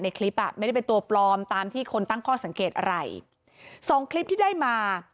คลิปอ่ะไม่ได้เป็นตัวปลอมตามที่คนตั้งข้อสังเกตอะไรสองคลิปที่ได้มา